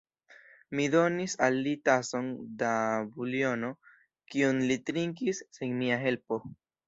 Mi donis al li tason da buljono, kiun li trinkis sen mia helpo.